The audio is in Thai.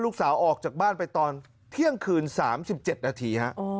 ลูกสาวออกจากบ้านไปตอนเที่ยงคืน๓๗นาทีฮะ